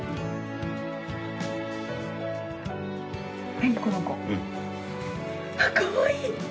はいこの子。あっかわいい！